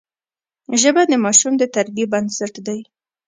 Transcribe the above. ژبه د ماشوم د تربیې بنسټ دی